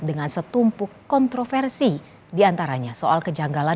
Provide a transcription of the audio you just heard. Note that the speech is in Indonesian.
dengan setumpuk kontroversi diantaranya soal kejanggalan